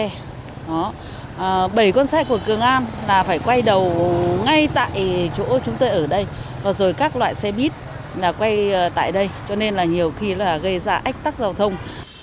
bảy con xe của cường an là phải quay đầu ngay tại chỗ chúng tôi ở đây rồi các loại xe bít là quay tại đây cho nên là nhiều khi là gây ra ách tắc giao thông